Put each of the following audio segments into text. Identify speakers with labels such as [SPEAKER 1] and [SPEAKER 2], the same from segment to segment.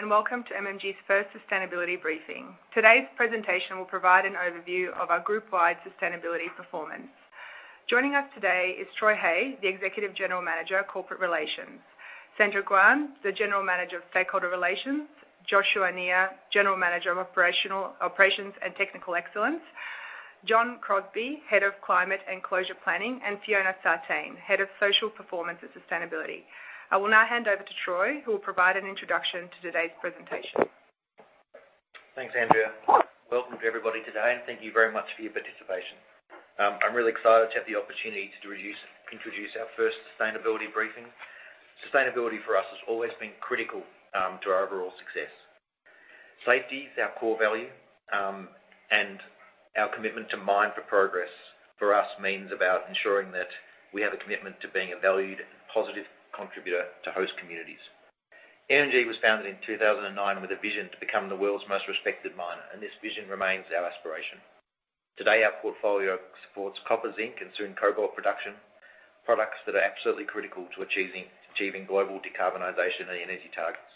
[SPEAKER 1] Hello, and welcome to MMG's first sustainability briefing. Today's presentation will provide an overview of our group-wide sustainability performance. Joining us today is Troy Hey, the Executive General Manager of Corporate Relations. Sandra Guan, the General Manager of Stakeholder Relations. Joshua Annear, General Manager of Operations and Technical Excellence. Jon Crosbie, Head of Climate and Closure Planning, and Fiona Sartain, Head of Social Performance and Sustainability. I will now hand over to Troy, who will provide an introduction to today's presentation.
[SPEAKER 2] Thanks, Andrea. Welcome to everybody today, and thank you very much for your participation. I'm really excited to have the opportunity to introduce our first sustainability briefing. Sustainability for us has always been critical to our overall success. Safety is our core value, and our commitment to mine for progress for us means about ensuring that we have a commitment to being a valued, positive contributor to host communities. MMG was founded in 2009 with a vision to become the world's most respected miner, and this vision remains our aspiration. Today, our portfolio supports copper, zinc, and soon cobalt production, products that are absolutely critical to achieving global decarbonization and energy targets.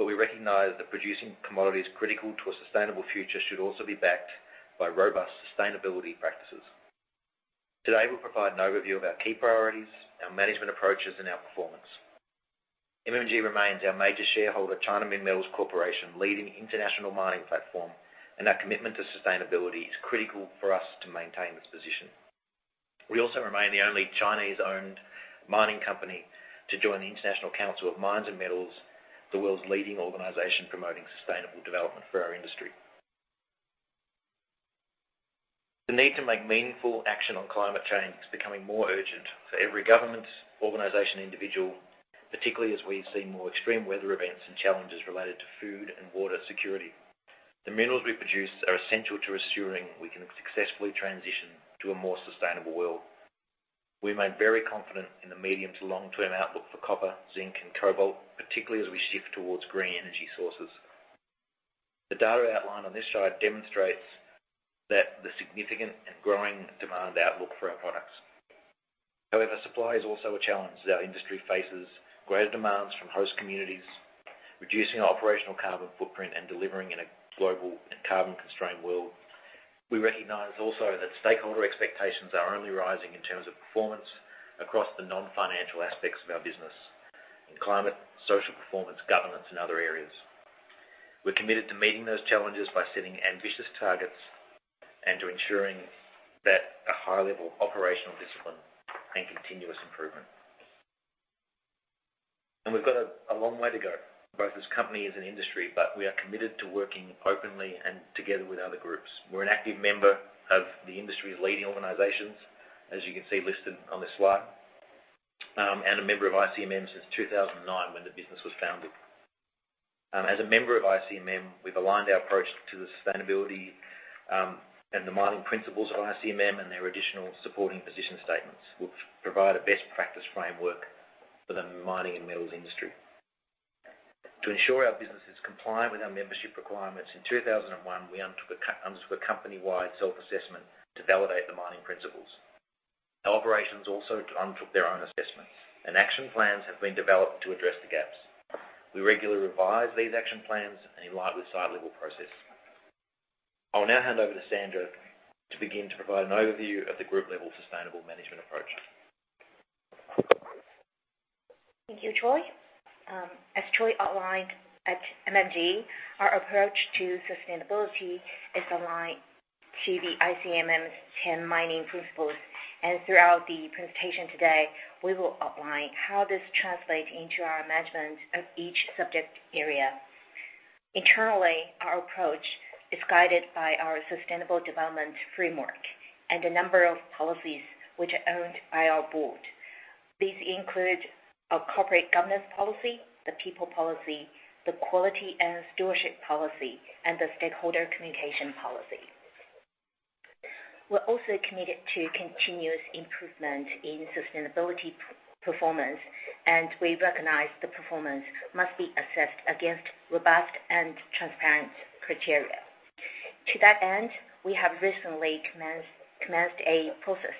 [SPEAKER 2] We recognize that producing commodities critical to a sustainable future should also be backed by robust sustainability practices. Today, we'll provide an overview of our key priorities, our management approaches, and our performance. MMG remains our major shareholder, China Minmetals Corporation, leading international mining platform, and our commitment to sustainability is critical for us to maintain this position. We also remain the only Chinese-owned mining company to join the International Council on Mining and Metals, the world's leading organization promoting sustainable development for our industry. The need to make meaningful action on climate change is becoming more urgent for every government, organization, individual, particularly as we see more extreme weather events and challenges related to food and water security. The minerals we produce are essential to assuring we can successfully transition to a more sustainable world. We remain very confident in the medium to long-term outlook for copper, zinc, and cobalt, particularly as we shift towards green energy sources. The data outlined on this slide demonstrates that the significant and growing demand outlook for our products. However, supply is also a challenge as our industry faces greater demands from host communities, reducing operational carbon footprint and delivering in a global and carbon-constrained world. We recognize also that stakeholder expectations are only rising in terms of performance across the non-financial aspects of our business in climate, social performance, governance, and other areas. We're committed to meeting those challenges by setting ambitious targets and to ensuring that a high level of operational discipline and continuous improvement. We've got a long way to go, both as company as an industry, but we are committed to working openly and together with other groups. We're an active member of the industry-leading organizations, as you can see listed on this slide, and a member of ICMM since 2009 when the business was founded. As a member of ICMM, we've aligned our approach to the sustainability and the mining principles of ICMM and their additional supporting position statements, which provide a best practice framework for the mining and metals industry. To ensure our business is compliant with our membership requirements, in 2001, we undertook a company-wide self-assessment to validate the mining principles. Our operations also undertook their own assessments, and action plans have been developed to address the gaps. We regularly revise these action plans in light of the site-level process. I'll now hand over to Sandra to begin to provide an overview of the group-level sustainable management approach.
[SPEAKER 3] Thank you, Troy. As Troy outlined, at MMG, our approach to sustainability is aligned to the ICMM's ten mining principles. Throughout the presentation today, we will outline how this translates into our management of each subject area. Internally, our approach is guided by our sustainable development framework and a number of policies which are owned by our board. These include a corporate governance policy, the people policy, the quality and stewardship policy, and the stakeholder communication policy. We're also committed to continuous improvement in sustainability performance, and we recognize the performance must be assessed against robust and transparent criteria. To that end, we have recently commenced a process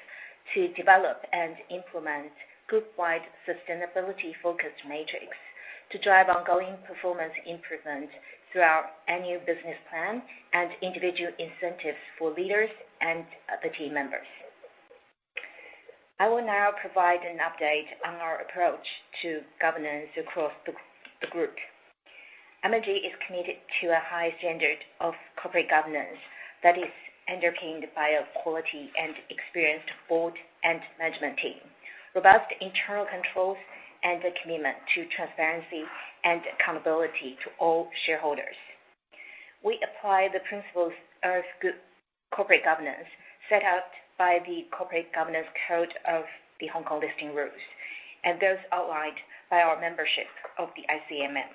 [SPEAKER 3] to develop and implement group-wide sustainability-focused metrics to drive ongoing performance improvement throughout a new business plan and individual incentives for leaders and the team members. I will now provide an update on our approach to governance across the group. MMG is committed to a high standard of corporate governance that is underpinned by a quality and experienced board and management team, robust internal controls, and a commitment to transparency and accountability to all shareholders. We apply the principles of good corporate governance set out by the Corporate Governance Code of the Hong Kong Listing Rules and those outlined by our membership of the ICMM.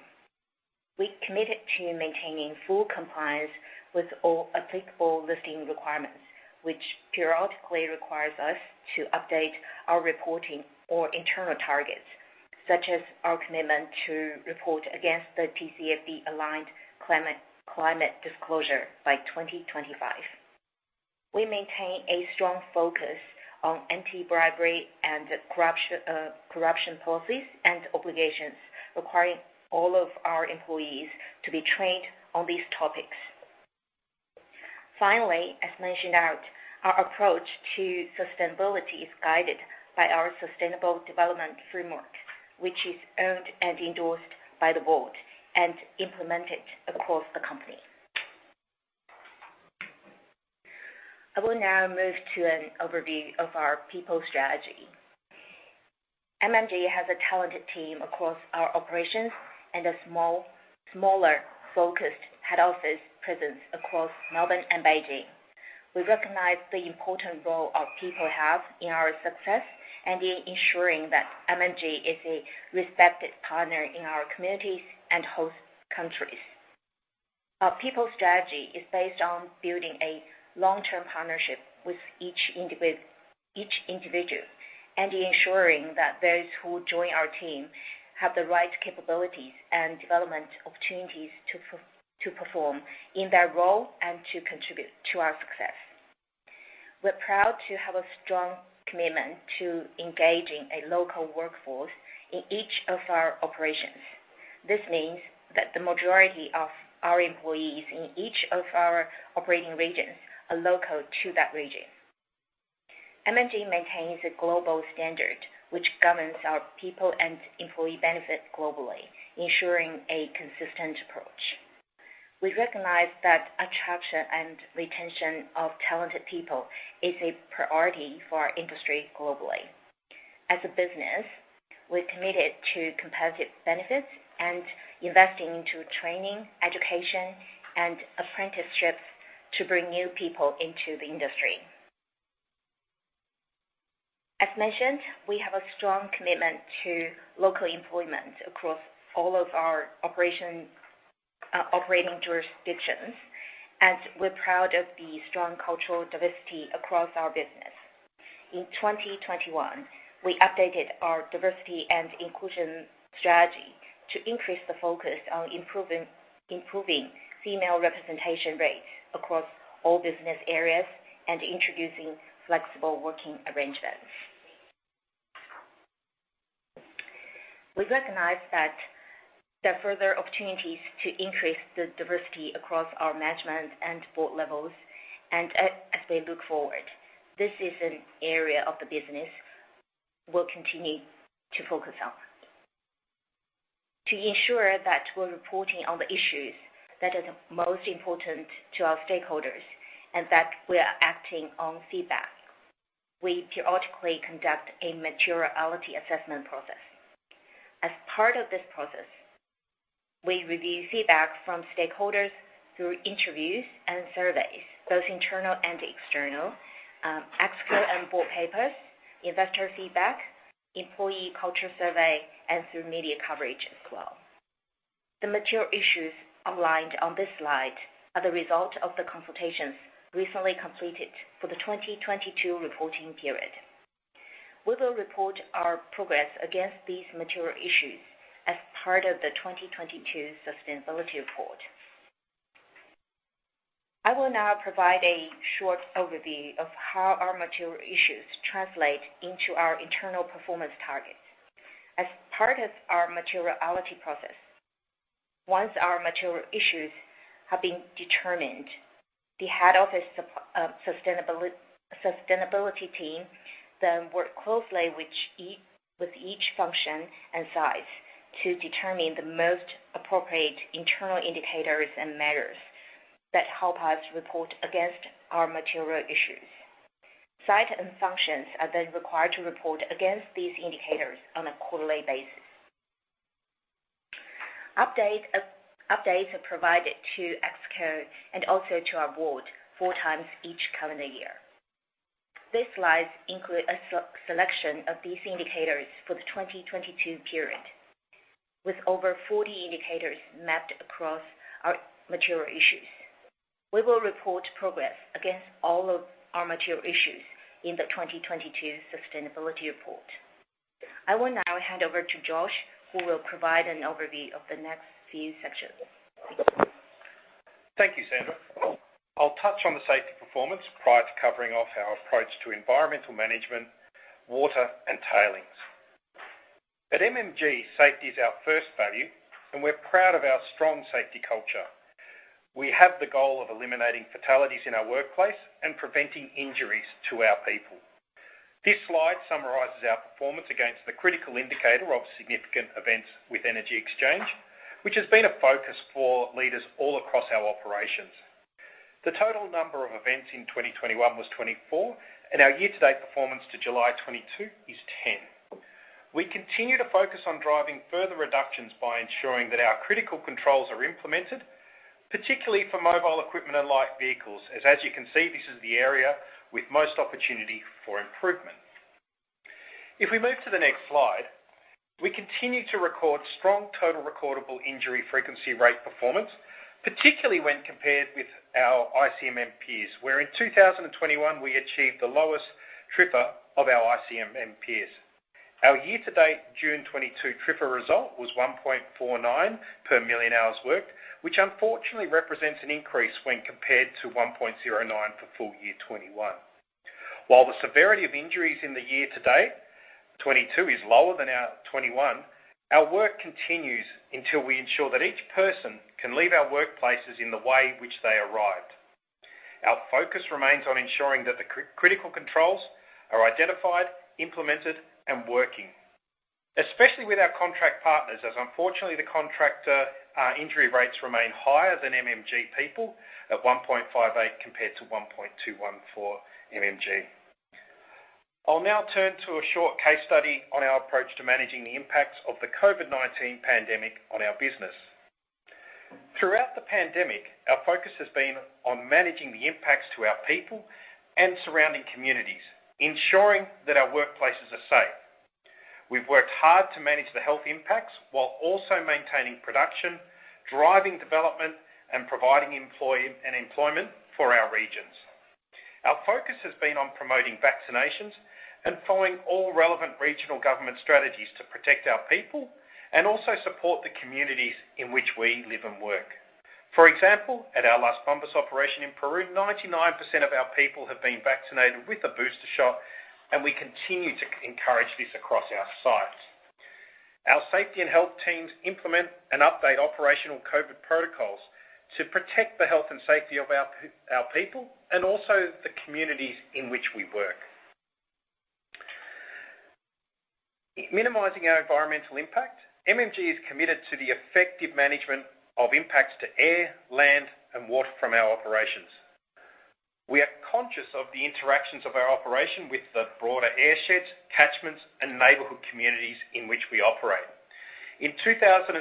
[SPEAKER 3] We committed to maintaining full compliance with all applicable listing requirements, which periodically requires us to update our reporting or internal targets, such as our commitment to report against the TCFD-aligned climate disclosure by 2025. We maintain a strong focus on anti-bribery and corruption policies and obligations requiring all of our employees to be trained on these topics. Finally, as mentioned earlier, our approach to sustainability is guided by our sustainable development framework, which is owned and endorsed by the board and implemented across the company. I will now move to an overview of our people strategy. MMG has a talented team across our operations and a smaller, focused head office presence across Melbourne and Beijing. We recognize the important role our people have in our success and in ensuring that MMG is a respected partner in our communities and host countries. Our people strategy is based on building a long-term partnership with each individual and ensuring that those who join our team have the right capabilities and development opportunities to perform in their role and to contribute to our success. We're proud to have a strong commitment to engaging a local workforce in each of our operations. This means that the majority of our employees in each of our operating regions are local to that region. MMG maintains a global standard which governs our people and employee benefits globally, ensuring a consistent approach. We recognize that attraction and retention of talented people is a priority for our industry globally. As a business, we're committed to competitive benefits and investing into training, education, and apprenticeships to bring new people into the industry. As mentioned, we have a strong commitment to local employment across all of our operating jurisdictions, and we're proud of the strong cultural diversity across our business. In 2021, we updated our diversity and inclusion strategy to increase the focus on improving female representation rates across all business areas and introducing flexible working arrangements. We recognize that there are further opportunities to increase the diversity across our management and board levels as we look forward. This is an area of the business we'll continue to focus on. To ensure that we're reporting on the issues that are the most important to our stakeholders and that we are acting on feedback, we periodically conduct a materiality assessment process. As part of this process, we review feedback from stakeholders through interviews and surveys, both internal and external, Exco and board papers, investor feedback, employee culture survey, and through media coverage as well. The material issues outlined on this slide are the result of the consultations recently completed for the 2022 reporting period. We will report our progress against these material issues as part of the 2022 sustainability report. I will now provide a short overview of how our material issues translate into our internal performance targets. As part of our materiality process, once our material issues have been determined, the head office sustainability team then work closely with each function and site to determine the most appropriate internal indicators and measures that help us report against our material issues. Sites and functions are then required to report against these indicators on a quarterly basis. Updates are provided to Exco and also to our board four times each calendar year. These slides include a selection of these indicators for the 2022 period, with over 40 indicators mapped across our material issues. We will report progress against all of our material issues in the 2022 sustainability report. I will now hand over to Joshua, who will provide an overview of the next few sections. Thank you.
[SPEAKER 4] Thank you, Sandra. I'll touch on the safety performance prior to covering off our approach to environmental management, water and tailings. At MMG, safety is our first value, and we're proud of our strong safety culture. We have the goal of eliminating fatalities in our workplace and preventing injuries to our people. This slide summarizes our performance against the critical indicator of significant events with energy exchange, which has been a focus for leaders all across our operations. The total number of events in 2021 was 24, and our year-to-date performance to July 2022 is 10. We continue to focus on driving further reductions by ensuring that our critical controls are implemented, particularly for mobile equipment and light vehicles, as you can see, this is the area with most opportunity for improvement. If we move to the next slide, we continue to record strong total recordable injury frequency rate performance, particularly when compared with our ICMM peers, where in 2021 we achieved the lowest TRIFR of our ICMM peers. Our year-to-date June 2022 TRIFR result was 1.49 per million hours worked, which unfortunately represents an increase when compared to 1.09 for full year 2021. While the severity of injuries in the year-to-date 2022 is lower than our 2021, our work continues until we ensure that each person can leave our workplaces in the way which they arrived. Our focus remains on ensuring that the critical controls are identified, implemented, and working, especially with our contract partners, as unfortunately, the contractor injury rates remain higher than MMG people at 1.58 compared to 1.21 for MMG. I'll now turn to a short case study on our approach to managing the impacts of the COVID-19 pandemic on our business. Throughout the pandemic, our focus has been on managing the impacts to our people and surrounding communities, ensuring that our workplaces are safe. We've worked hard to manage the health impacts while also maintaining production, driving development, and providing employee and employment for our regions. Our focus has been on promoting vaccinations and following all relevant regional government strategies to protect our people and also support the communities in which we live and work. For example, at our Las Bambas operation in Peru, 99% of our people have been vaccinated with a booster shot, and we continue to encourage this across our sites. Our safety and health teams implement and update operational COVID protocols to protect the health and safety of our people and also the communities in which we work. Minimizing our environmental impact, MMG is committed to the effective management of impacts to air, land, and water from our operations. We are conscious of the interactions of our operation with the broader airsheds, catchments, and neighborhood communities in which we operate. In 2021,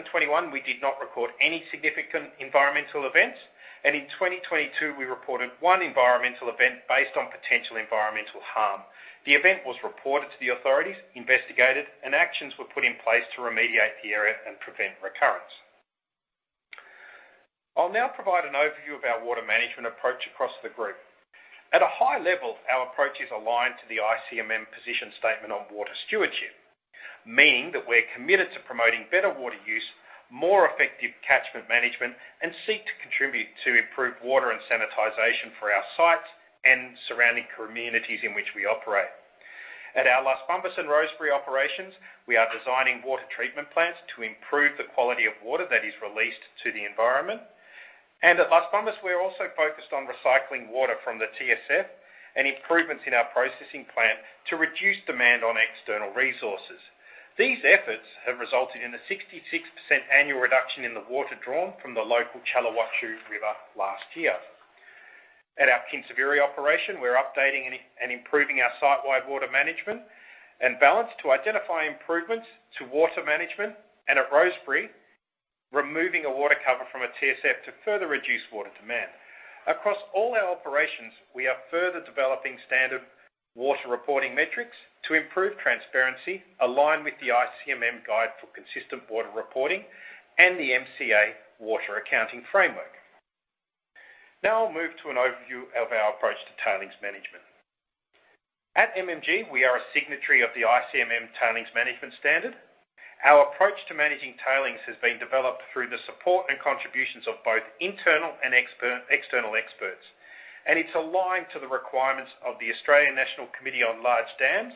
[SPEAKER 4] we did not record any significant environmental events, and in 2022, we reported one environmental event based on potential environmental harm. The event was reported to the authorities, investigated, and actions were put in place to remediate the area and prevent recurrence. I'll now provide an overview of our water management approach across the group. At a high level, our approach is aligned to the ICMM position statement on water stewardship, meaning that we're committed to promoting better water use, more effective catchment management, and seek to contribute to improved water and sanitation for our sites and surrounding communities in which we operate. At our Las Bambas and Rosebery operations, we are designing water treatment plants to improve the quality of water that is released to the environment. At Las Bambas, we are also focused on recycling water from the TSF and improvements in our processing plant to reduce demand on external resources. These efforts have resulted in a 66% annual reduction in the water drawn from the local Challhuahuacho River last year. At our Kinsevere operation, we're updating and improving our site-wide water management and balance to identify improvements to water management. At Rosebery, removing a water cover from a TSF to further reduce water demand. Across all our operations, we are further developing standard water reporting metrics to improve transparency, align with the ICMM guide for consistent water reporting and the MCA Water Accounting Framework. Now I'll move to an overview of our approach to tailings management. At MMG, we are a signatory of the ICMM Tailings Management Standard. Our approach to managing tailings has been developed through the support and contributions of both internal and external experts, and it's aligned to the requirements of the Australian National Committee on Large Dams,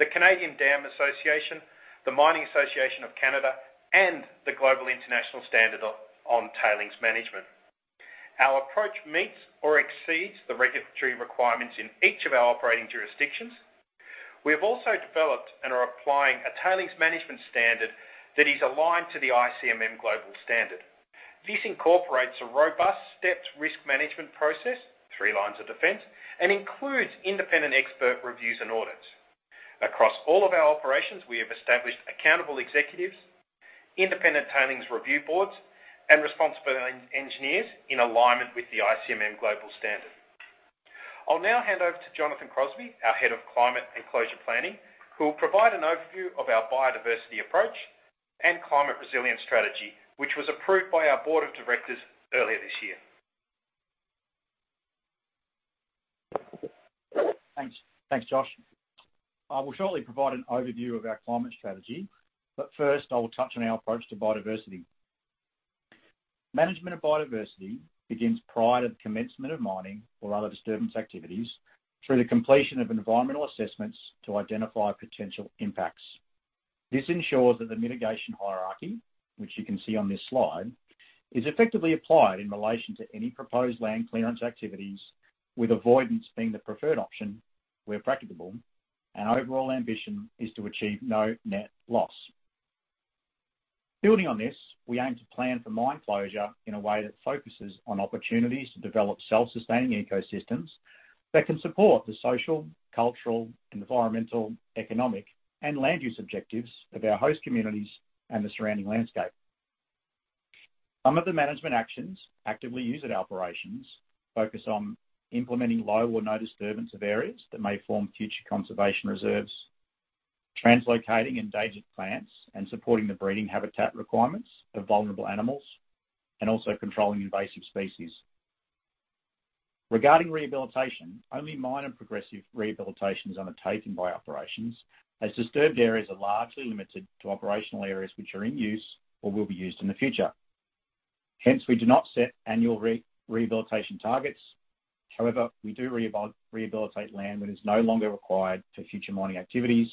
[SPEAKER 4] the Canadian Dam Association, the Mining Association of Canada, and the Global Industry Standard on Tailings Management. Our approach meets or exceeds the regulatory requirements in each of our operating jurisdictions. We have also developed and are applying a tailings management standard that is aligned to the ICMM global standard. This incorporates a robust stepped risk management process, three lines of defense, and includes independent expert reviews and audits. Across all of our operations, we have established accountable executives, independent tailings review boards, and responsible engineers in alignment with the ICMM global standard. I'll now hand over to Jon Crosbie, our Head of Climate and Closure Planning, who will provide an overview of our biodiversity approach and climate resilience strategy, which was approved by our board of directors earlier this year.
[SPEAKER 5] Thanks. Thanks, Josh. I will shortly provide an overview of our climate strategy, but first, I will touch on our approach to biodiversity. Management of biodiversity begins prior to the commencement of mining or other disturbance activities through the completion of environmental assessments to identify potential impacts. This ensures that the mitigation hierarchy, which you can see on this slide, is effectively applied in relation to any proposed land clearance activities, with avoidance being the preferred option where practicable. Our overall ambition is to achieve no net loss. Building on this, we aim to plan for mine closure in a way that focuses on opportunities to develop self-sustaining ecosystems that can support the social, cultural, environmental, economic, and land use objectives of our host communities and the surrounding landscape. Some of the management actions actively used at operations focus on implementing low or no disturbance of areas that may form future conservation reserves, translocating endangered plants, and supporting the breeding habitat requirements of vulnerable animals, and also controlling invasive species. Regarding rehabilitation, only minor progressive rehabilitation is undertaken by operations, as disturbed areas are largely limited to operational areas which are in use or will be used in the future. Hence, we do not set annual rehabilitation targets. However, we do rehabilitate land that is no longer required for future mining activities,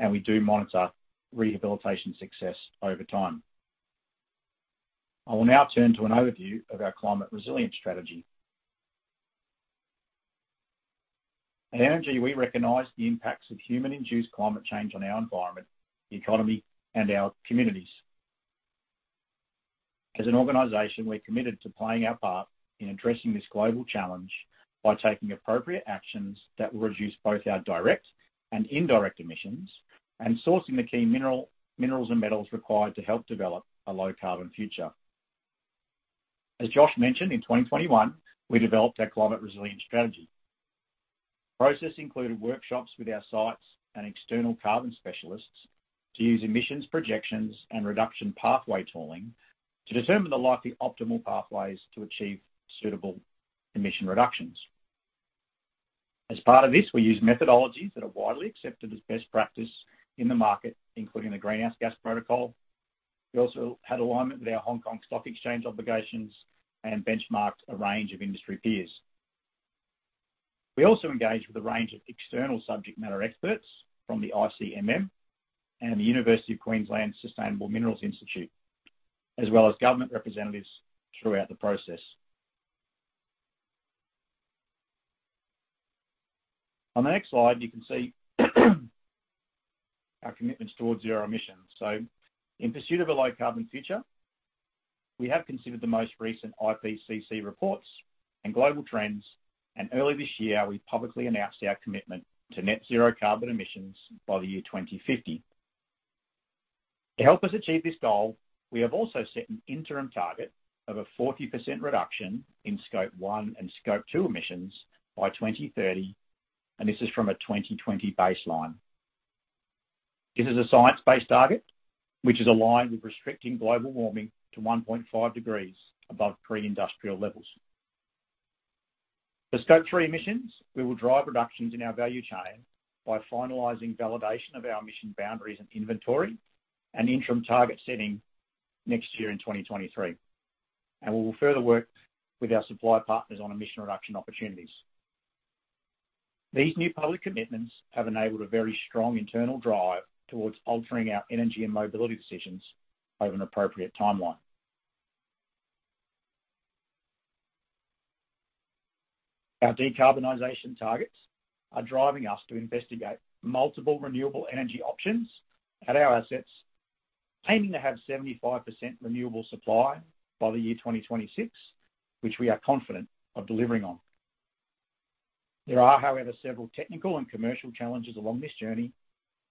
[SPEAKER 5] and we do monitor rehabilitation success over time. I will now turn to an overview of our climate resilience strategy. At MMG, we recognize the impacts of human-induced climate change on our environment, the economy, and our communities. As an organization, we're committed to playing our part in addressing this global challenge by taking appropriate actions that will reduce both our direct and indirect emissions and sourcing the key mineral, minerals and metals required to help develop a low-carbon future. As Josh mentioned, in 2021, we developed our climate resilience strategy. Process included workshops with our sites and external carbon specialists to use emissions projections and reduction pathway tooling to determine the likely optimal pathways to achieve suitable emission reductions. As part of this, we use methodologies that are widely accepted as best practice in the market, including the Greenhouse Gas Protocol. We also had alignment with our Hong Kong Stock Exchange obligations and benchmarked a range of industry peers. We also engaged with a range of external subject matter experts from the ICMM and the University of Queensland Sustainable Minerals Institute, as well as government representatives throughout the process. On the next slide, you can see our commitments towards zero emissions. In pursuit of a low-carbon future, we have considered the most recent IPCC reports and global trends. Early this year, we publicly announced our commitment to net zero carbon emissions by the year 2050. To help us achieve this goal, we have also set an interim target of a 40% reduction in Scope 1 and Scope 2 emissions by 2030, and this is from a 2020 baseline. This is a science-based target, which is aligned with restricting global warming to 1.5 degrees above pre-industrial levels. For Scope three emissions, we will drive reductions in our value chain by finalizing validation of our emission boundaries and inventory and interim target setting next year in 2023. We will further work with our supply partners on emission reduction opportunities. These new public commitments have enabled a very strong internal drive towards altering our energy and mobility decisions over an appropriate timeline. Our decarbonization targets are driving us to investigate multiple renewable energy options at our assets, aiming to have 75% renewable supply by the year 2026, which we are confident of delivering on. There are, however, several technical and commercial challenges along this journey,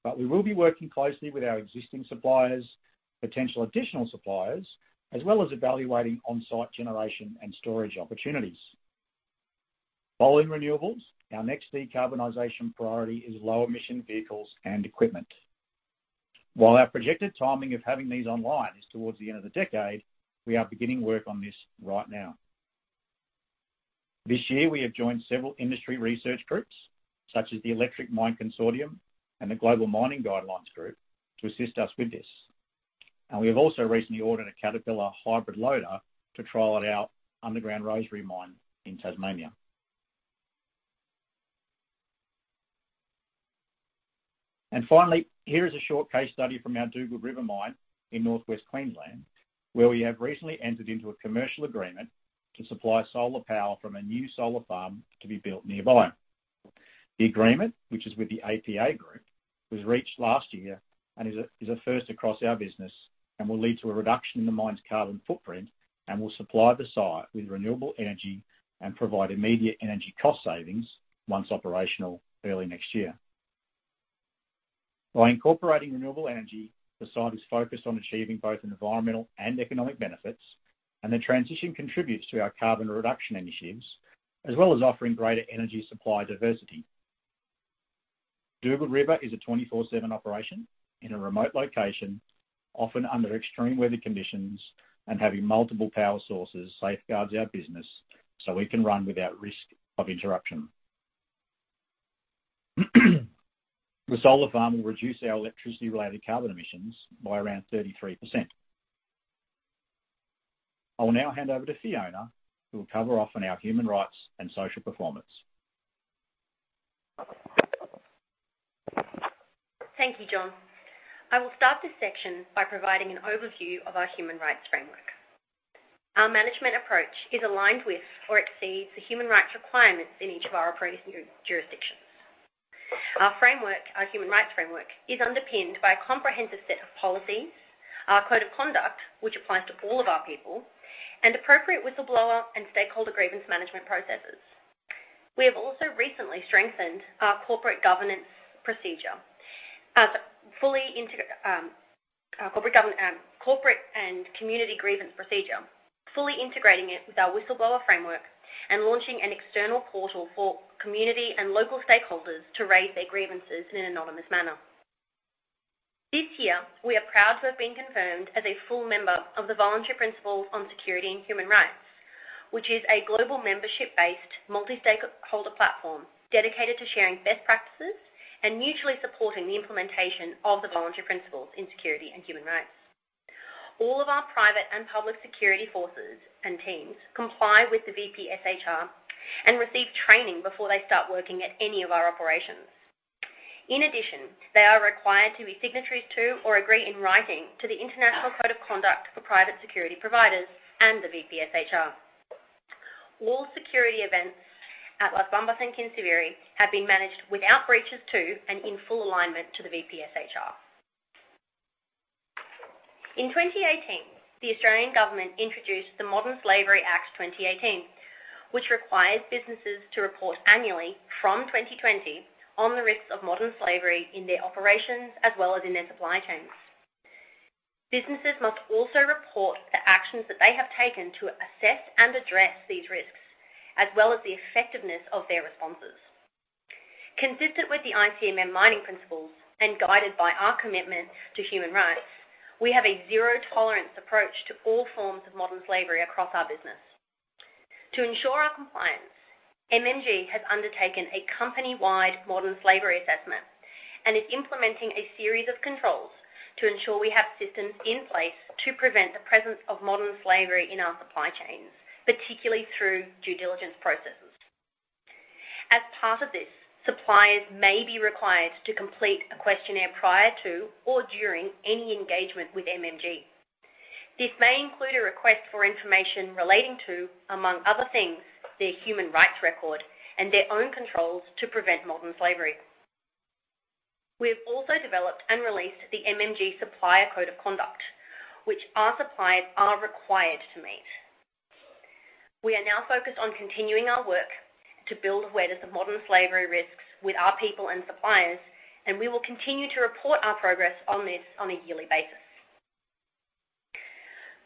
[SPEAKER 5] but we will be working closely with our existing suppliers, potential additional suppliers, as well as evaluating on-site generation and storage opportunities. Following renewables, our next decarbonization priority is low-emission vehicles and equipment. While our projected timing of having these online is towards the end of the decade, we are beginning work on this right now. This year we have joined several industry research groups such as the Electric Mine Consortium and the Global Mining Guidelines Group to assist us with this. We have also recently ordered a Caterpillar hybrid loader to trial at our underground Rosebery mine in Tasmania. Finally, here is a short case study from our Dugald River mine in Northwest Queensland, where we have recently entered into a commercial agreement to supply solar power from a new solar farm to be built nearby. The agreement, which is with the APA Group, was reached last year and is a first across our business and will lead to a reduction in the mine's carbon footprint and will supply the site with renewable energy and provide immediate energy cost savings once operational early next year. By incorporating renewable energy, the site is focused on achieving both environmental and economic benefits, and the transition contributes to our carbon reduction initiatives, as well as offering greater energy supply diversity. Dugald River is a 24/7 operation in a remote location, often under extreme weather conditions, and having multiple power sources safeguards our business so we can run without risk of interruption. The solar farm will reduce our electricity-related carbon emissions by around 33%. I will now hand over to Fiona, who will cover off on our human rights and social performance.
[SPEAKER 6] Thank you, Jon Crosbie. I will start this section by providing an overview of our human rights framework. Our management approach is aligned with or exceeds the human rights requirements in each of our operating jurisdictions. Our human rights framework is underpinned by a comprehensive set of policies, our code of conduct, which applies to all of our people, and appropriate whistleblower and stakeholder grievance management processes. We have also recently strengthened our corporate and community grievance procedure, fully integrating it with our whistleblower framework and launching an external portal for community and local stakeholders to raise their grievances in an anonymous manner. This year, we are proud to have been confirmed as a full member of the Voluntary Principles on Security and Human Rights, which is a global membership-based multi-stakeholder platform dedicated to sharing best practices and mutually supporting the implementation of the Voluntary Principles on Security and Human Rights. All of our private and public security forces and teams comply with the VPSHR and receive training before they start working at any of our operations. In addition, they are required to be signatories to or agree in writing to the International Code of Conduct for Private Security Providers and the VPSHR. All security events at Las Bambas and Quinceviri have been managed without breaches to and in full alignment to the VPSHR. In 2018, the Australian government introduced the Modern Slavery Act 2018, which requires businesses to report annually from 2020 on the risks of modern slavery in their operations, as well as in their supply chains. Businesses must also report the actions that they have taken to assess and address these risks, as well as the effectiveness of their responses. Consistent with the ICMM Mining Principles and guided by our commitment to human rights, we have a zero-tolerance approach to all forms of modern slavery across our business. To ensure our compliance, MMG has undertaken a company-wide modern slavery assessment and is implementing a series of controls to ensure we have systems in place to prevent the presence of modern slavery in our supply chains, particularly through due diligence processes. As part of this, suppliers may be required to complete a questionnaire prior to or during any engagement with MMG. This may include a request for information relating to, among other things, their human rights record and their own controls to prevent modern slavery. We have also developed and released the MMG Supplier Code of Conduct, which our suppliers are required to meet. We are now focused on continuing our work to build awareness of modern slavery risks with our people and suppliers, and we will continue to report our progress on this on a yearly basis.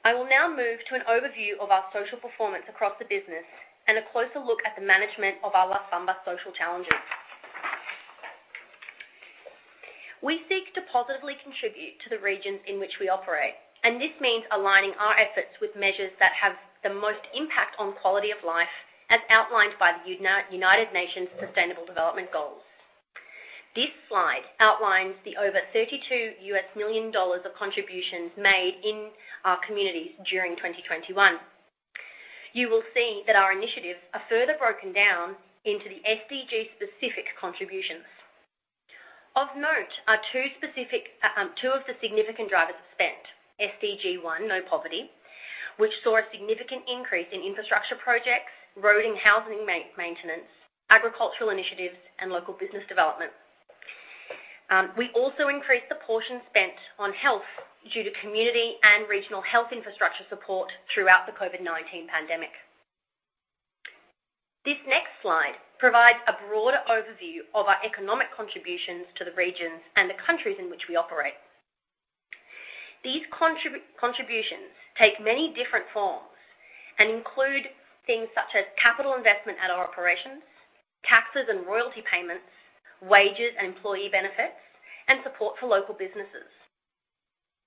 [SPEAKER 6] I will now move to an overview of our social performance across the business and a closer look at the management of our Las Bambas social challenges. We seek to positively contribute to the regions in which we operate, and this means aligning our efforts with measures that have the most impact on quality of life as outlined by the United Nations Sustainable Development Goals. This slide outlines the over $32 million of contributions made in our communities during 2021. You will see that our initiatives are further broken down into the SDG-specific contributions. Of note are two specific, two of the significant drivers of spend. SDG one: No Poverty, which saw a significant increase in infrastructure projects, road and housing maintenance, agricultural initiatives, and local business development. We also increased the portion spent on health due to community and regional health infrastructure support throughout the COVID-19 pandemic. This next slide provides a broader overview of our economic contributions to the regions and the countries in which we operate. These contributions take many different forms and include things such as capital investment at our operations, taxes and royalty payments, wages and employee benefits, and support for local businesses.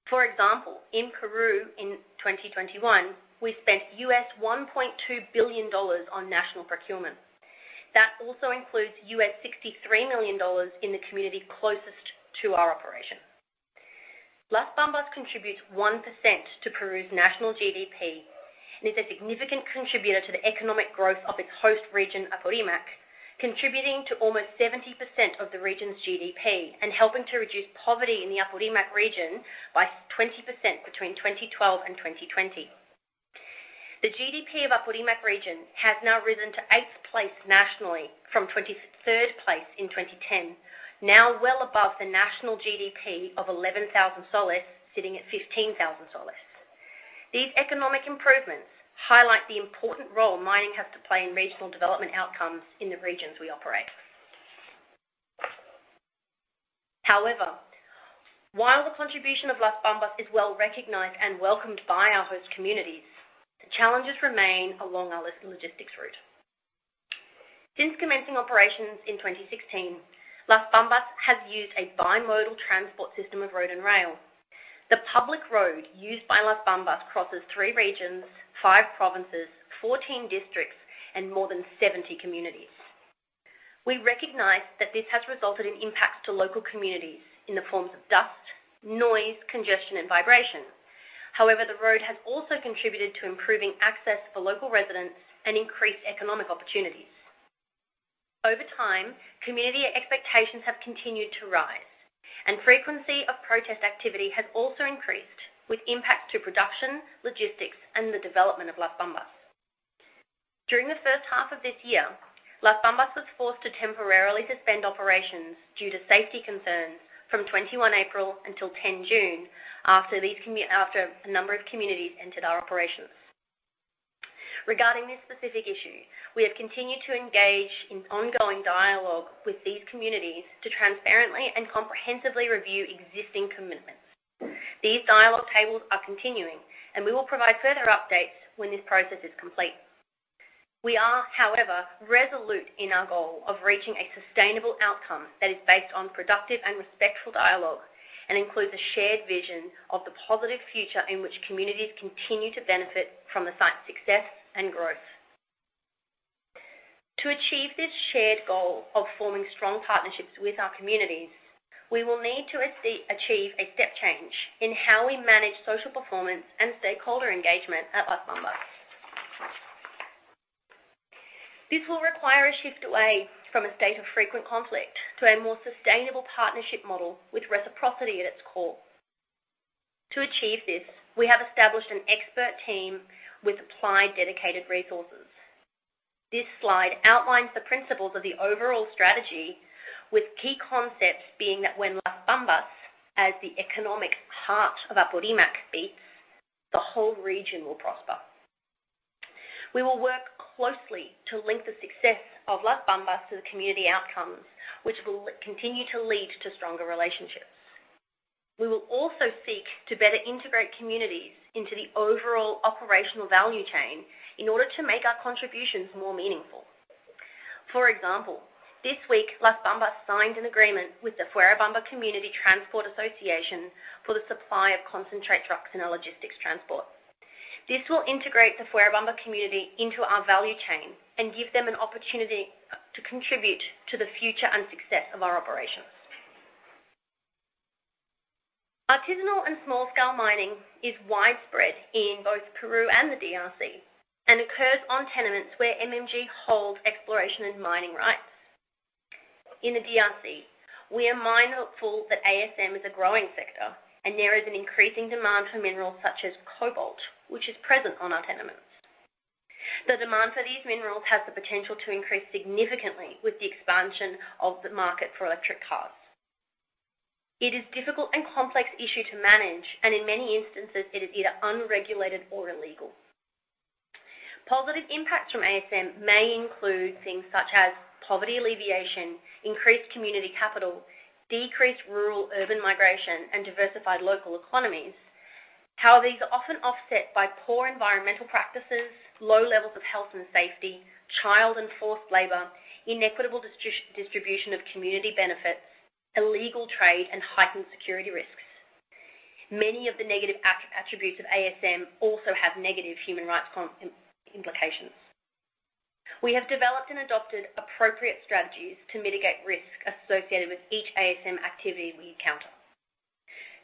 [SPEAKER 6] For example, in Peru in 2021, we spent $1.2 billion on national procurement. That also includes $63 million in the community closest to our operation. Las Bambas contributes 1% to Peru's national GDP and is a significant contributor to the economic growth of its host region, Apurímac, contributing to almost 70% of the region's GDP and helping to reduce poverty in the Apurímac region by 20% between 2012 and 2020. The GDP of Apurímac region has now risen to 8th place nationally from 23rd place in 2010, now well above the national GDP of PEN 11,000 sitting at PEN 15,000. These economic improvements highlight the important role mining has to play in regional development outcomes in the regions we operate. However, while the contribution of Las Bambas is well-recognized and welcomed by our host communities, the challenges remain along our logistics route. Since commencing operations in 2016, Las Bambas has used a bimodal transport system of road and rail. The public road used by Las Bambas crosses three regions, five provinces, 14 districts, and more than 70 communities. We recognize that this has resulted in impacts to local communities in the forms of dust, noise, congestion, and vibration. However, the road has also contributed to improving access for local residents and increased economic opportunities. Over time, community expectations have continued to rise, and frequency of protest activity has also increased with impact to production, logistics, and the development of Las Bambas. During the first half of this year, Las Bambas was forced to temporarily suspend operations due to safety concerns from 21 April until 10 June after a number of communities entered our operations. Regarding this specific issue, we have continued to engage in ongoing dialogue with these communities to transparently and comprehensively review existing. These dialogue tables are continuing, and we will provide further updates when this process is complete. We are, however, resolute in our goal of reaching a sustainable outcome that is based on productive and respectful dialogue and includes a shared vision of the positive future in which communities continue to benefit from the site's success and growth. To achieve this shared goal of forming strong partnerships with our communities, we will need to achieve a step change in how we manage social performance and stakeholder engagement at Las Bambas. This will require a shift away from a state of frequent conflict to a more sustainable partnership model with reciprocity at its core. To achieve this, we have established an expert team with applied, dedicated resources. This slide outlines the principles of the overall strategy, with key concepts being that when Las Bambas, as the economic heart of Apurímac beats, the whole region will prosper. We will work closely to link the success of Las Bambas to the community outcomes, which will continue to lead to stronger relationships. We will also seek to better integrate communities into the overall operational value chain in order to make our contributions more meaningful. For example, this week, Las Bambas signed an agreement with the Fuerabamba Community Transport Association for the supply of concentrate trucks and logistics transport. This will integrate the Fuerabamba community into our value chain and give them an opportunity to contribute to the future and success of our operations. Artisanal and small-scale mining is widespread in both Peru and the DRC and occurs on tenements where MMG holds exploration and mining rights. In the DRC, we are mindful that ASM is a growing sector and there is an increasing demand for minerals such as cobalt, which is present on our tenements. The demand for these minerals has the potential to increase significantly with the expansion of the market for electric cars. It is difficult and complex issue to manage, and in many instances it is either unregulated or illegal. Positive impacts from ASM may include things such as poverty alleviation, increased community capital, decreased rural-urban migration, and diversified local economies. However, these are often offset by poor environmental practices, low levels of health and safety, child and forced labor, inequitable distribution of community benefits, illegal trade, and heightened security risks. Many of the negative attributes of ASM also have negative human rights implications. We have developed and adopted appropriate strategies to mitigate risk associated with each ASM activity we encounter.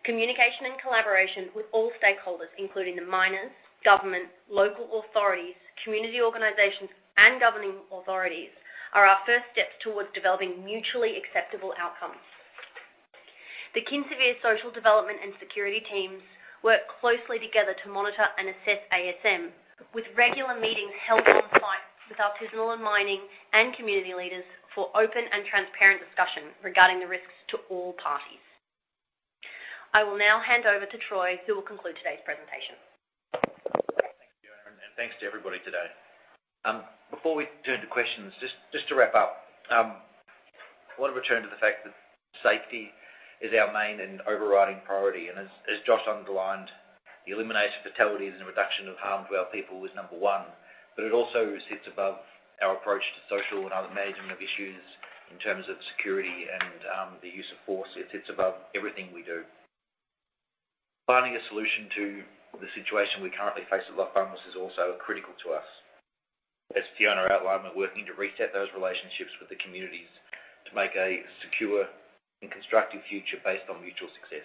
[SPEAKER 6] Communication and collaboration with all stakeholders, including the miners, government, local authorities, community organizations, and governing authorities, are our first steps towards developing mutually acceptable outcomes. The Kinsevere social development and security teams work closely together to monitor and assess ASM, with regular meetings held on site with artisanal mining and community leaders for open and transparent discussion regarding the risks to all parties. I will now hand over to Troy, who will conclude today's presentation.
[SPEAKER 2] Thank you, Fiona Sartain, and thanks to everybody today. Before we turn to questions, just to wrap up, I want to return to the fact that safety is our main and overriding priority. As Joshua Annear underlined, the elimination of fatalities and reduction of harm to our people is number one. It also sits above our approach to social and other management of issues in terms of security and the use of force. It sits above everything we do. Finding a solution to the situation we currently face at Las Bambas is also critical to us. As Fiona Sartain outlined, we're working to reset those relationships with the communities to make a secure and constructive future based on mutual success.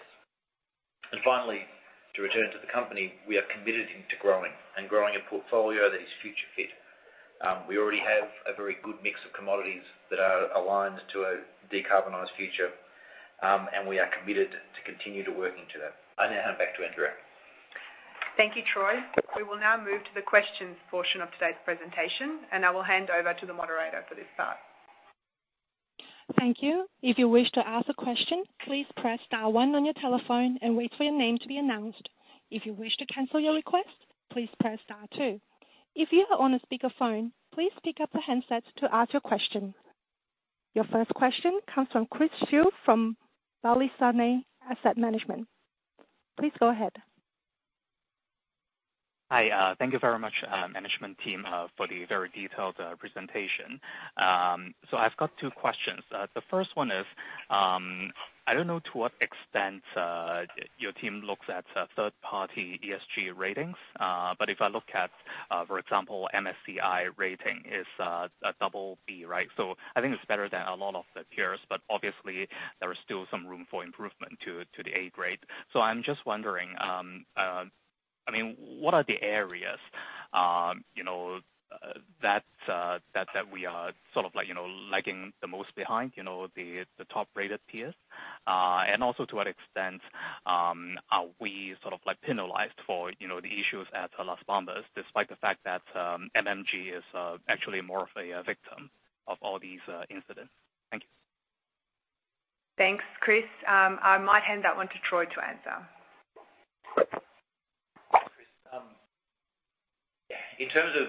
[SPEAKER 2] Finally, to return to the company, we are committed to growing and growing a portfolio that is future fit. We already have a very good mix of commodities that are aligned to a decarbonized future, and we are committed to continue to work into that. I now hand back to Andrea.
[SPEAKER 1] Thank you, Troy. We will now move to the questions portion of today's presentation, and I will hand over to the moderator for this part.
[SPEAKER 7] Thank you. If you wish to ask a question, please press star one on your telephone and wait for your name to be announced. If you wish to cancel your request, please press star two. If you are on a speakerphone, please pick up a handset to ask your question. Your first question comes from Chris Xu from Balyasny Asset Management. Please go ahead.
[SPEAKER 8] Hi, thank you very much, management team, for the very detailed presentation. So I've got two questions. The first one is, I don't know to what extent your team looks at third-party ESG ratings, but if I look at, for example, MSCI rating is a double B, right? So I think it's better than a lot of the peers, but obviously there is still some room for improvement to the A grade. So I'm just wondering, I mean, what are the areas, you know, that we are sort of like, you know, lagging the most behind, you know, the top-rated peers? To what extent are we sort of like penalized for, you know, the issues at Las Bambas, despite the fact that MMG is actually more of a victim of all these incidents? Thank you.
[SPEAKER 1] Thanks, Chris. I might hand that one to Troy to answer.
[SPEAKER 2] In terms of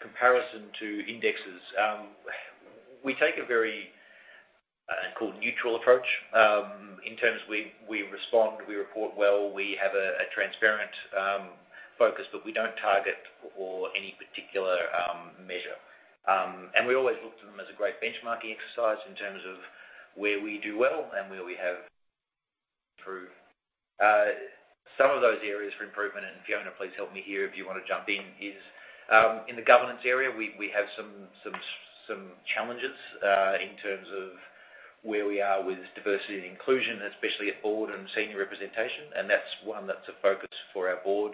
[SPEAKER 2] comparison to indexes, we take a very, call it neutral approach. In terms we respond, we report well, we have a transparent focus, but we don't target or any particular measure. We always look to them as a great benchmarking exercise in terms of where we do well and where we have improved. Some of those areas for improvement, and Fiona, please help me here if you wanna jump in, is in the governance area, we have some challenges in terms of where we are with diversity and inclusion, especially at board and senior representation. That's one that's a focus for our board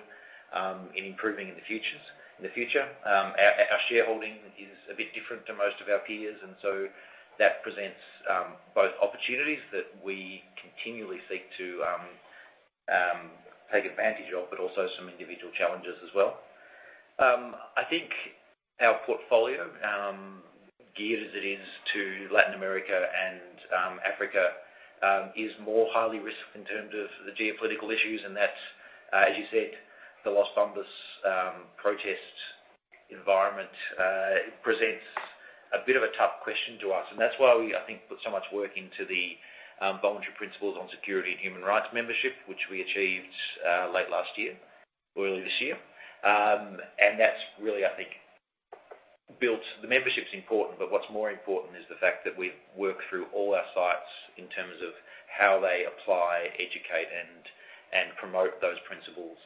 [SPEAKER 2] in improving in the future. Our shareholding is a bit different to most of our peers, and so that presents both opportunities that we continually seek to take advantage of, but also some individual challenges as well. I think our portfolio geared as it is to Latin America and Africa is more highly risked in terms of the geopolitical issues, and that's as you said, the Las Bambas protest environment presents a bit of a tough question to us. That's why we I think put so much work into the Voluntary Principles on Security and Human Rights membership, which we achieved late last year, early this year. That's really I think built. The membership's important, but what's more important is the fact that we've worked through all our sites in terms of how they apply, educate, and promote those principles.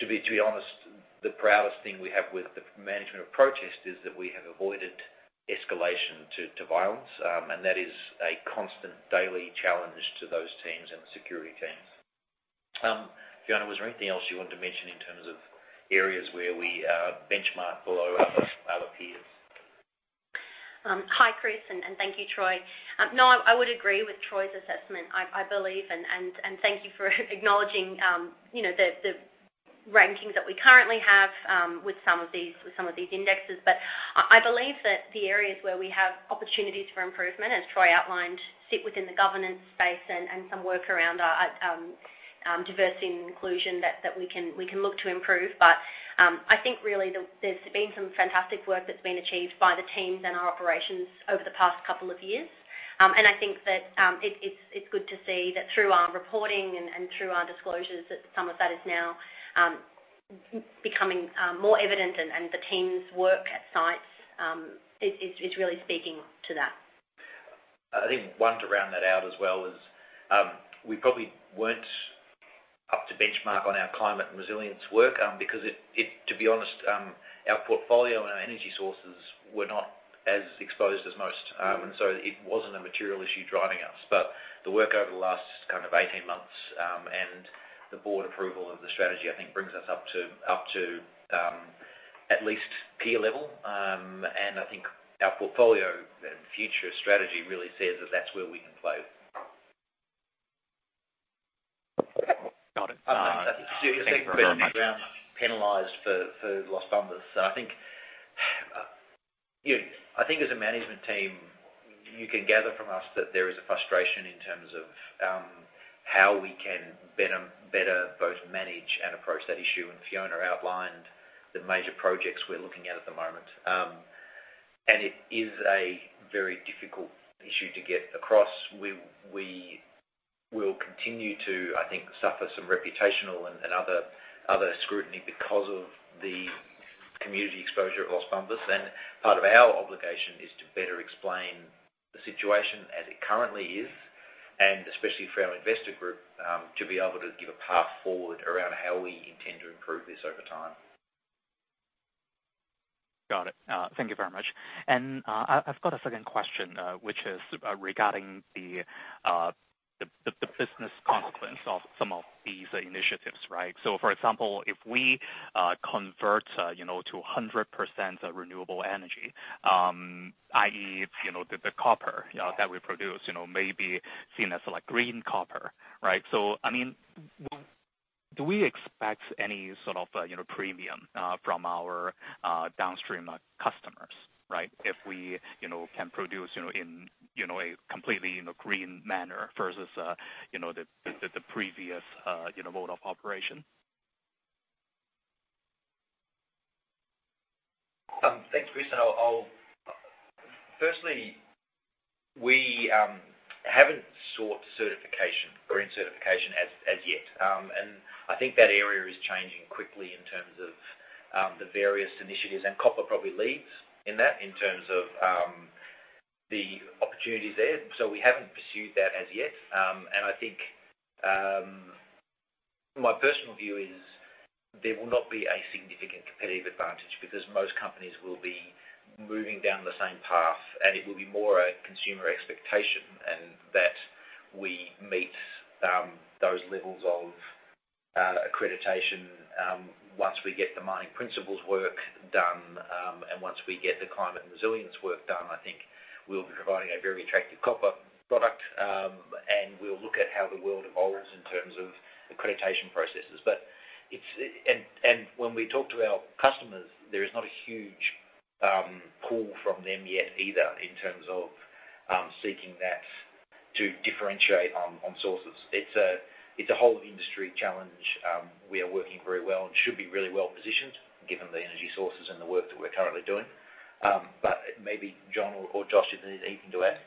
[SPEAKER 2] To be honest, the proudest thing we have with the management of protest is that we have avoided escalation to violence. That is a constant daily challenge to those teams and the security teams. Fiona, was there anything else you wanted to mention in terms of areas where we benchmark below our peers?
[SPEAKER 6] Hi, Chris, and thank you, Troy. No, I would agree with Troy's assessment. I believe, and thank you for acknowledging, you know, the rankings that we currently have with some of these indexes. I believe that the areas where we have opportunities for improvement, as Troy outlined, sit within the governance space and some work around our diversity and inclusion that we can look to improve. I think really there's been some fantastic work that's been achieved by the teams and our operations over the past couple of years. I think that it's good to see that through our reporting and through our disclosures that some of that is now becoming more evident and the teams' work at sites is really speaking to that.
[SPEAKER 2] I think one to round that out as well is, we probably weren't up to benchmark on our climate and resilience work, because it, to be honest, our portfolio and our energy sources were not as exposed as most. It wasn't a material issue driving us. The work over the last kind of 18 months, and the board approval of the strategy, I think brings us up to at least peer level. I think our portfolio and future strategy really says that that's where we can play.
[SPEAKER 8] Okay. Got it.
[SPEAKER 2] Penalized for Las Bambas. I think as a management team, you can gather from us that there is a frustration in terms of how we can better both manage and approach that issue. Fiona outlined the major projects we're looking at the moment. It is a very difficult issue to get across. We will continue to, I think, suffer some reputational and other scrutiny because of the community exposure of Las Bambas. Part of our obligation is to better explain the situation as it currently is, and especially for our investor group, to be able to give a path forward around how we intend to improve this over time.
[SPEAKER 8] Got it. Thank you very much. I've got a second question, which is regarding the business consequence of some of these initiatives, right? For example, if we convert, you know, to 100% renewable energy, i.e., you know, the copper that we produce, you know, may be seen as like green copper, right? I mean, do we expect any sort of, you know, premium from our downstream customers, right? If we, you know, can produce, you know, in, you know, a completely, you know, green manner versus, you know, the previous, you know, mode of operation.
[SPEAKER 2] Thanks, Chris. I'll firstly, we haven't sought certification or accreditation as yet. I think that area is changing quickly in terms of the various initiatives, and copper probably leads in that in terms of the opportunities there. We haven't pursued that as yet. I think my personal view is there will not be a significant competitive advantage because most companies will be moving down the same path, and it will be more a consumer expectation and that we meet those levels of accreditation once we get the mining principles work done and once we get the climate and resilience work done. I think we'll be providing a very attractive copper product, and we'll look at how the world evolves in terms of accreditation processes. When we talk to our customers, there is not a huge pull from them yet either in terms of seeking that to differentiate on sources. It's a whole industry challenge. We are working very well and should be really well-positioned given the energy sources and the work that we're currently doing. Maybe Jon or Joshua, if there's anything to add.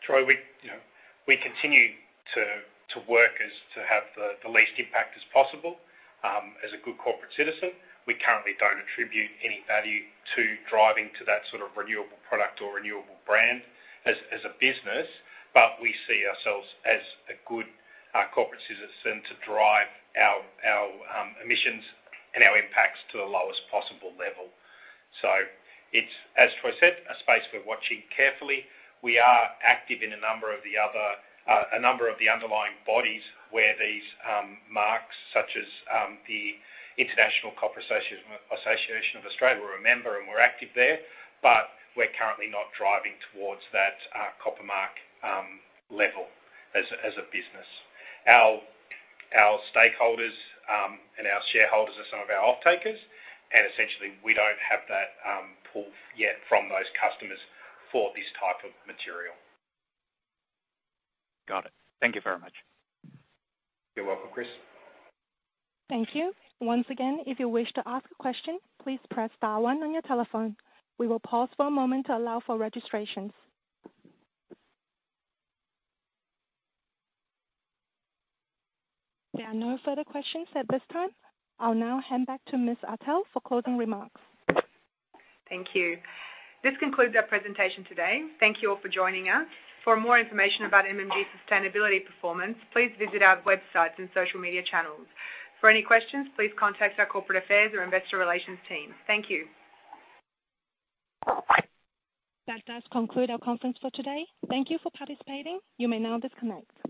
[SPEAKER 4] Troy, you know, we continue to work to have the least impact as possible, as a good corporate citizen. We currently don't attribute any value to driving to that sort of renewable product or renewable brand as a business. We see ourselves as a good corporate citizen to drive our emissions and our impacts to the lowest possible level. It's, as Troy said, a space we're watching carefully. We are active in a number of the underlying bodies where these marks, such as the International Copper Association Australia. We're a member, and we're active there, but we're currently not driving towards that Copper Mark level as a business. Our stakeholders and our shareholders are some of our offtakers, and essentially, we don't have that pull yet from those customers for this type of material.
[SPEAKER 8] Got it. Thank you very much.
[SPEAKER 4] You're welcome, Chris.
[SPEAKER 7] Thank you. Once again, if you wish to ask a question, please press star one on your telephone. We will pause for a moment to allow for registrations. There are no further questions at this time. I'll now hand back to Ms. Atell for closing remarks.
[SPEAKER 1] Thank you. This concludes our presentation today. Thank you all for joining us. For more information about MMG's sustainability performance, please visit our websites and social media channels. For any questions, please contact our corporate affairs or investor relations team. Thank you.
[SPEAKER 7] That does conclude our conference for today. Thank you for participating. You may now disconnect.